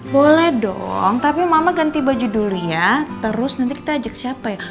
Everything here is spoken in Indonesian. boleh dong tapi mama ganti baju dulu ya terus nanti kita ajak siapa ya